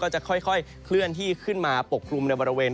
จะค่อยเคลื่อนที่ขึ้นมาปกกลุ่มในบริเวณ